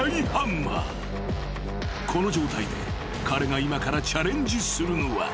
［この状態で彼が今からチャレンジするのは］